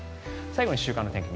最後に週間の天気